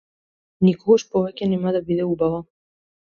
Никогаш повеќе нема да биде убава.